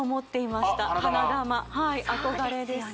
はい憧れです